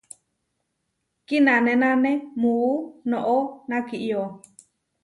Kinanénane muú noʼó nakiyó.